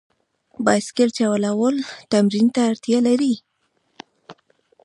بایسکل چلول تمرین ته اړتیا لري.